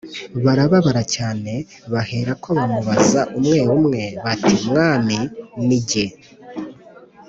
Barababara cyane, baherako bamubaza umwe umwe bati “Mwami, ni jye?”